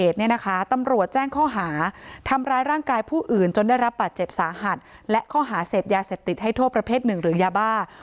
ตำรวจแจ้งข้อหาทำร้ายร่างกายผู้อื่นจนได้รับบาดเจ็บสาหัสและข้อหาเสพยาเสพติดให้โทษประเภทหนึ่งหรือยาบ้า